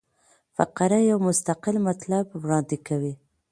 فقره یو مستقل مطلب وړاندي کوي.